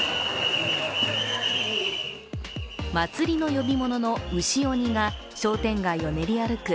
祭りの呼び物の牛鬼が商店街を練り歩く